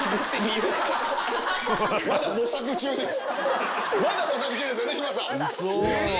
まだ模索中ですよね？